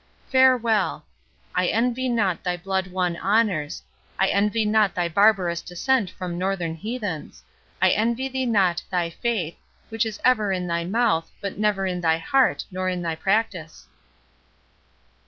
Farewell!—I envy not thy blood won honours—I envy not thy barbarous descent from northern heathens—I envy thee not thy faith, which is ever in thy mouth, but never in thy heart nor in thy practice."